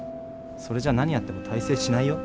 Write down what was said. それじゃ何やっても大成しないよ。